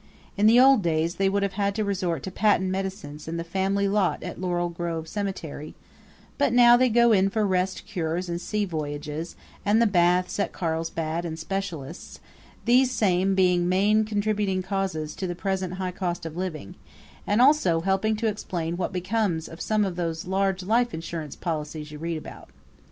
In the old days they would have had resort to patent medicines and the family lot at Laurel Grove Cemetery; but now they go in for rest cures and sea voyages, and the baths at Carlsbad and specialists, these same being main contributing causes to the present high cost of living, and also helping to explain what becomes of some of those large life insurance policies you read about.